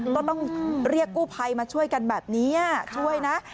ก็ต้องเรียกกู้ภัยมาช่วยกันแบบนี้ช่วยนะ